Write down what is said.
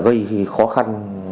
gây khó khăn